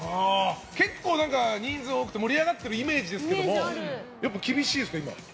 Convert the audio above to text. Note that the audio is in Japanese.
結構、人数多くて盛り上がってるイメージですけどやっぱり厳しいですか？